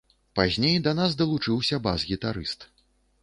Пазней да нас далучыўся бас-гістарыст.